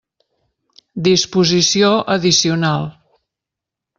Disposició addicional.